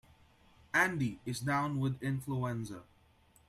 Andy is down with influenza.